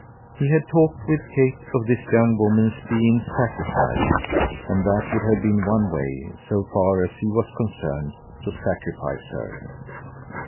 He had talked with Kate of this young woman's being "sacrificed," and that would have been one way, so far as he was concerned, to sacrifice her.